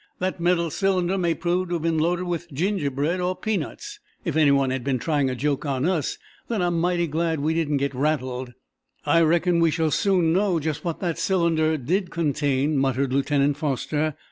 That metal cylinder may prove to have been loaded with ginger bread or peanuts. If anyone has been trying a joke on us, then I'm mighty glad we didn't get rattled." "I reckon we shall soon know just what that cylinder did contain," muttered Lieutenant Foster.